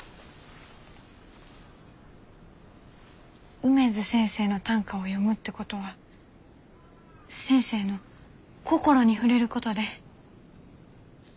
梅津先生の短歌を読むってことは先生の心に触れることで。